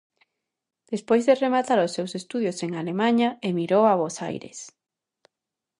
Despois de rematar os seus estudos en Alemaña, emigrou a Bos Aires.